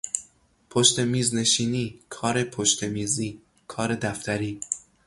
پشت میز نشینی، کار پشت میزی، کار دفتری